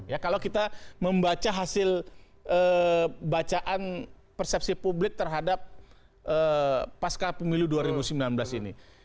ya kalau kita membaca hasil bacaan persepsi publik terhadap pasca pemilu dua ribu sembilan belas ini